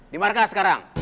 di markas sekarang